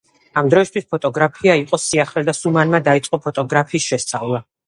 ამ დროისთვის ფოტოგრაფია იყო სიახლე და სუმანმა დაიწყო ფოტოგრაფიის შესწავლა.